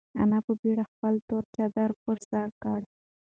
انا په بېړه خپله توره چادري پر سر کړه.